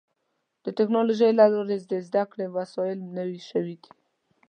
د ټکنالوجۍ له لارې د زدهکړې وسایل نوي شوي دي.